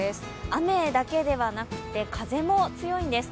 雨だけではなくて、風も強いんです。